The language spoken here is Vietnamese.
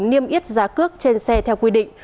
niêm yết giá cước trên xe theo quy định